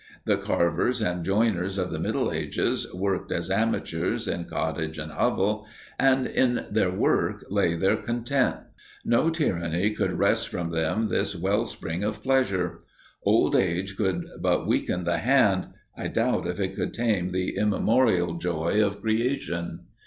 The carvers and joiners of the Middle Ages worked as amateurs in cottage and hovel, and in their work lay their content; no tyranny could wrest from them this well spring of pleasure. Old age could but weaken the hand; I doubt if it could tame the immemorial joy of creation.